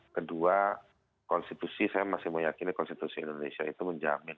kedua konstitusi saya masih meyakini konstitusi indonesia itu menjamin